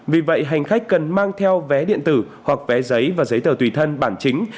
vì vậy hành khách cần mang theo vé điện tử hoặc vé giấy và giấy tờ tùy thân bản chính